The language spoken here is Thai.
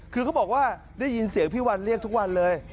คือเขาบอกว่าได้ยินเสียงพี่วันเรียกทุกวันเลย